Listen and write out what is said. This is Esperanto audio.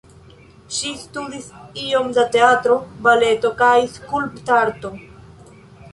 Ŝi studis iom da teatro, baleto kaj skulptarto.